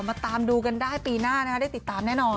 ตามดูกันได้ปีหน้าได้ติดตามแน่นอน